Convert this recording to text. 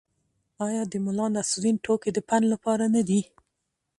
آیا د ملانصرالدین ټوکې د پند لپاره نه دي؟